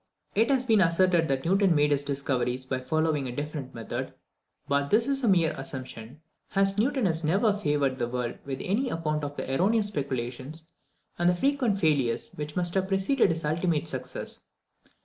It has been asserted that Newton made his discoveries by following a different method; but this is a mere assumption, as Newton has never favoured the world with any account of the erroneous speculations and the frequent failures which must have preceded his ultimate success.